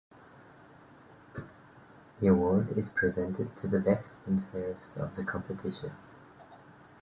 The award is presented to the best and fairest of the competition.